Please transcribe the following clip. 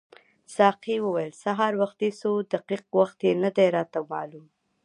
ساقي وویل سهار وختي خو دقیق وخت یې نه دی راته معلوم.